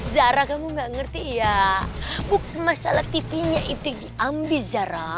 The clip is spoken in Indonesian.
zara kamu gak ngerti ya bukan masalah tv nya itu diambil zara